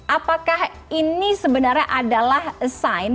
apakah ini sebenarnya adalah sign